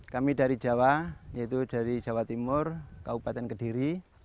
kami dari jawa yaitu dari jawa timur kabupaten kediri